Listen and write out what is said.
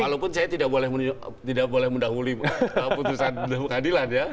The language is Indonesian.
walaupun saya tidak boleh mendahului putusan pengadilan ya